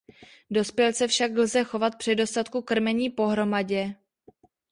Dospělce však lze chovat při dostatku krmení pohromadě.